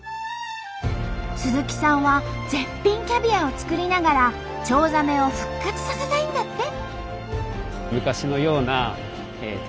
鈴木さんは絶品キャビアを作りながらチョウザメを復活させたいんだって。